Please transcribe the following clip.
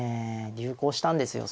流行したんですよ。